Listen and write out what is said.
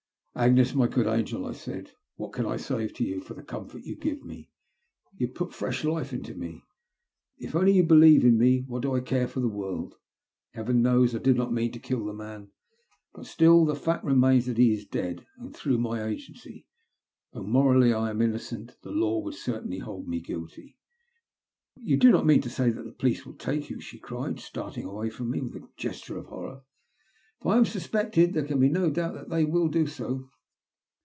" Agnes, my good angel," I said ;what can I say to you for the comfort you give me ? You have put fresh life into me. If only you believe in me, what do I care for the world ? Heaven knows I did not mean to kill the man — ^but still the fact remains that he is dead, and through my agency. Though morally I am innocent, the law would certainly hold me guilty." " You do not mean to say that the police will take you?" she cried, starting away from mo with a gesture of horror. " If I am suspected, there can be no doubt that they will do so.